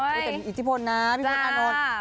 แต่มีอิจิพลนะพี่พลตอ่านอน